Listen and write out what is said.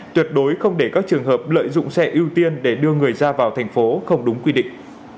tuyệt đối không để các trường hợp lợi dụng xe ưu tiên để đưa người ra vào thành phố không đúng quy định